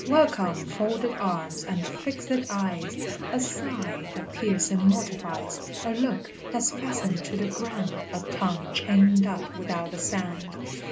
Welcome, folded arms, and fixèd eyes, A sigh that piercing mortifies, A look that's fastened to the ground, A tongue chained up without a sound!